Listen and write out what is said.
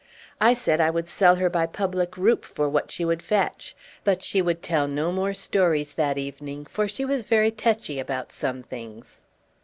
I said I would sell her by public roup for what she would fetch; but she would tell no more stories that evening, for she was very techy about some things.